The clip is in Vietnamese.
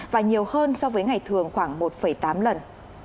và nhiều hơn so với ngày thường khoảng một tám lần